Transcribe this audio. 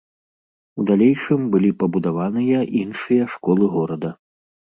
У далейшым былі пабудаваныя іншыя школы горада.